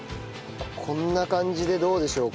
こんな感じでどうでしょうか？